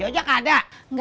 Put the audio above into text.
gak ada be